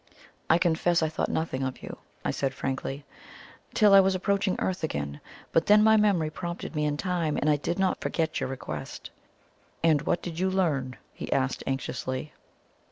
"I confess I thought nothing of you," I said frankly, "till I was approaching Earth again; but then my memory prompted me in time, and I did not forget your request." "And what did you learn?" he asked anxiously.